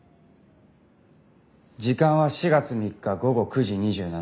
時間は４月３日午後９時２７分。